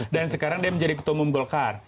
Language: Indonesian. dan sekarang dia menjadi ketumum golkar